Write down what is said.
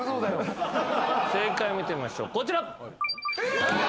正解見てみましょうこちら。